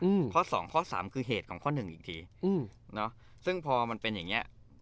อืมข้อสองข้อสามคือเหตุของข้อหนึ่งอีกทีอืมเนอะซึ่งพอมันเป็นอย่างเงี้ย